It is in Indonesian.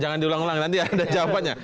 jangan diulang ulang nanti ada jawabannya